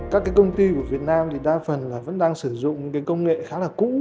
các công ty của việt nam đa phần vẫn đang sử dụng công nghệ khá là cũ